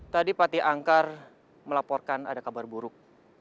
tadi pati angkar melaporkan ada kabar buruk